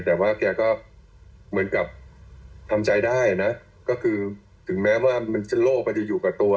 แต่ว่าแกก็เหมือนกับทำใจได้นะก็คือถึงแม้ว่ามันจะโลกมันจะอยู่กับตัว